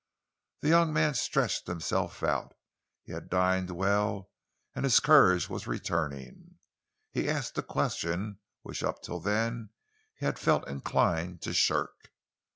The young man stretched himself out. He had dined well and his courage was returning. He asked a question which up till then he had felt inclined to shirk.